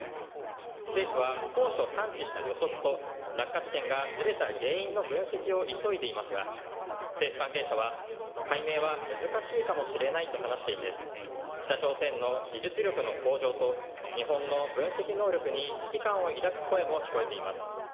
政府は当初、探知した予測と落下地点がずれた原因の分析を急いでいますが政府関係者は解明は難しいかもしれないと話していて北朝鮮の技術力の向上と日本の分析能力に危機感を抱く声も聞こえています。